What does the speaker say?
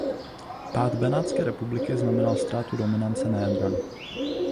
Pád Benátské republiky znamenal ztrátu dominance na Jadranu.